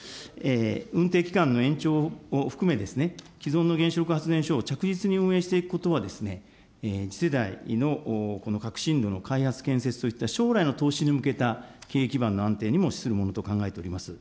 運転期間の延長を含めですね、既存の原子力発電所を着実に運営していくことは、次世代のこの革新炉の開発・建設といった将来の投資に向けた、経営基盤の安定にも資するものと考えております。